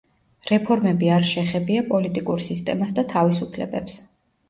რეფორმები არ შეხებია პოლიტიკურ სისტემას და თავისუფლებებს.